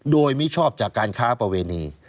โดยมิชอบจากการค้าประเวณี